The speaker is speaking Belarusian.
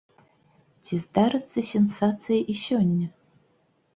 Ці здарыцца сенсацыя і сёння?